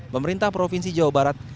pemerintah provinsi jawa barat